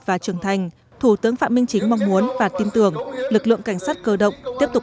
và trưởng thành thủ tướng phạm minh chính mong muốn và tin tưởng lực lượng cảnh sát cơ động tiếp tục